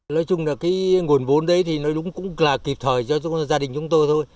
nói chung là cái nguồn vốn đấy thì nó đúng cũng là kịp thời cho gia đình chúng tôi thôi